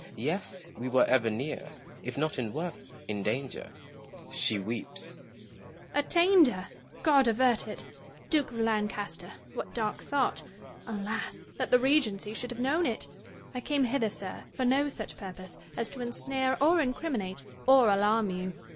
Yes, we were ever near — if not in worth, in danger. She weeps. Joanna. Attainder ! God avert it ! Duke of Lancaster, what dark thought — alas ! that the Regency should have known it! I came hither, sir, for no such purpose as to ensnare or incriminate or alarm you.